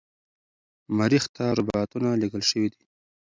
مریخ ته روباتونه لیږل شوي دي.